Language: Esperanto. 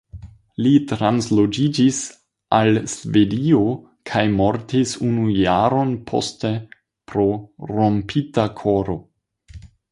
Li transloĝiĝis al Svedio kaj mortis unu jaron poste pro "rompita koro".